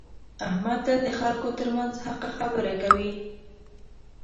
احمد تل د خلکو ترمنځ حقه خبره کوي.